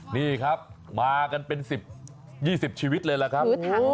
นี่ครับมากันเป็นสิบยี่สิบชีวิตเลยล่ะครับ